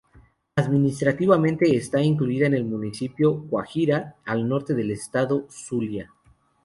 Administrativamente está incluida en el Municipio Guajira al Norte del estado Zulia.